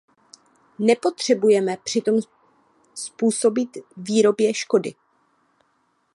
Nepotřebujeme přitom způsobit výrobě škody.